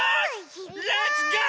レッツゴー！